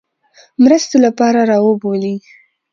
مرستې لپاره را وبولي.